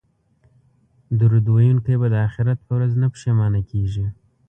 درود ویونکی به د اخرت په ورځ نه پښیمانه کیږي